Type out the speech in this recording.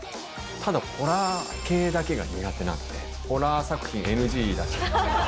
ただ、ホラー系だけが苦手なんでね、ホラー作品ＮＧ出してる。